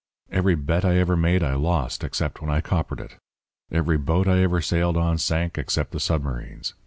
Every bet I ever made I lost except when I coppered it. Every boat I ever sailed on sank except the submarines.